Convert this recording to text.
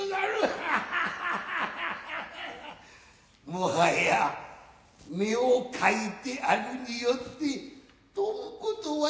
もはや目をかいてあるによって飛ぶことはなるまいぞ。